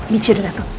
michi udah dateng